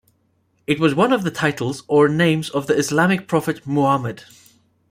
It was one of the titles or names of the Islamic prophet Muhammad.